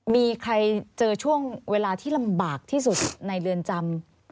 มีใครเจอช่วงเวลาที่ลำบากที่สุดในเรือนจำ